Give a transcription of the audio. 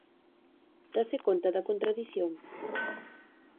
¿Dáse conta da contradición?